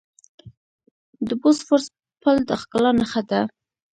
د بوسفورس پل د ښکلا نښه ده.